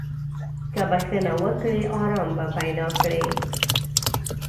که بخښنه وکړې، ارام به پیدا کړې.